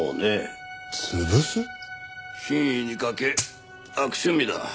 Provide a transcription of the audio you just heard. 品位に欠け悪趣味だ。